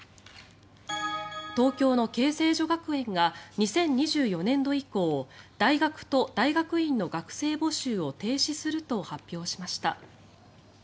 東京の恵泉女学園が２０２４年度以降大学と大学院の学生募集を停止すると発表しました。